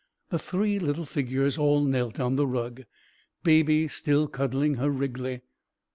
The three little figures all knelt on the rug, Baby still cuddling her Wriggly.